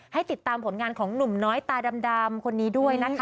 ให้ติดตามผลงานของหนุ่มน้อยตาดำคนนี้ด้วยนะคะ